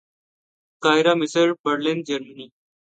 قاہرہ مصر برلن جرمنی